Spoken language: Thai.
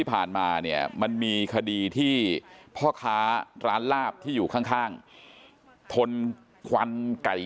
กลับบนบ้านยางอำเภอเมืองจังหวัดบุรีรัมน์